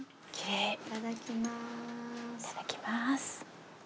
いただきます。